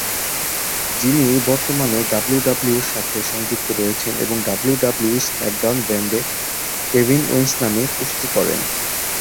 যিনি বর্তমানে ডাব্লিউডাব্লিউইর সাথে সংযুক্ত রয়েছেন এবং ডাব্লিউডাব্লিউই স্ম্যাকডাউন ব্র্যান্ডে কেভিন ওয়েন্স নামে কুস্তি করেন।